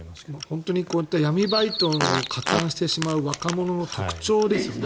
本当にこういった闇バイトに加担してしまう若者の特徴ですよね。